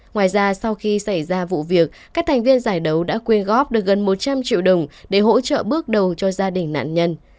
ngoài ra sau khi xảy ra vụ việc các thành viên giải đấu đã quyên góp được gần một trăm linh triệu đồng để hỗ trợ bước đầu cho gia đình nạn nhân